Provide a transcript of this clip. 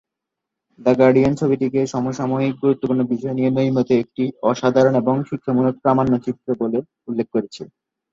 The Guardian ছবিটিকে সমসাময়িক গুরুত্বপূর্ণ বিষয় নিয়ে নির্মিত একটি অসাধারণ ও শিক্ষামূলক প্রামাণ্যচিত্র বলে উল্লেখ করেছে।